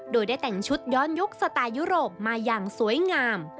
โดยได้แต่งชุดย้อนยุคสไตล์ยุโรปมาอย่างสวยงาม